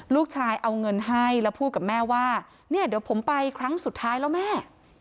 ลูกชายเอาเงินให้แล้วพูดกับแม่ว่าเนี่ยเดี๋ยวผมไปครั้งสุดท้ายแล้วแม่